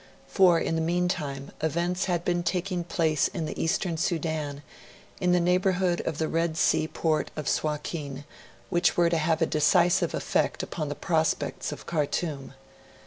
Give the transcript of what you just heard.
For, in the meantime, events had been taking place in the Eastern Sudan, in the neighbourhood of the Red Sea port of Suakin, which were to have a decisive effect upon the prospects of Khartoum.